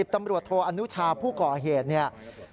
ตำรวจโทอนุชาผู้ก่อเหตุเนี่ย